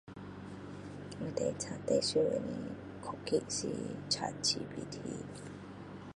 我最【插题】一样的科技是 Chat GPT